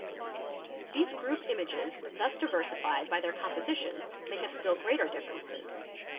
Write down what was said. These group images thus ' diversified by their composition may have still greater differences.